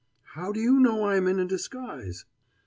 "How do you know that I am in a disguise?"